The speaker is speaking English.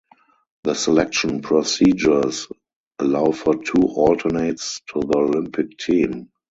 The selection procedures allow for two alternates to the Olympic Team.